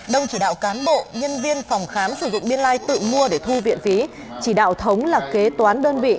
đông chỉ đạo cán bộ nhân viên phòng khám sử dụng biên lai tự mua để thu viện phí chỉ đạo thống là kế toán đơn vị